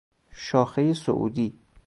شاخه صعودی